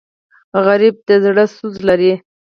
غریب د زړه سوز لري